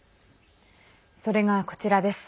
それが、こちらです。